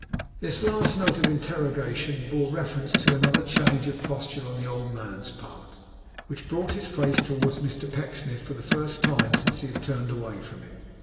This last note of interrogation bore reference to another change of posture on the old man's part, which brought his face towards Mr Pecksniff for the first time since he had turned away from him.